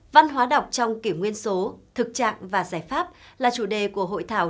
văn hóa đọc trong kiểu nguyên số thực trạng và giải pháp là chủ đề của hội thảo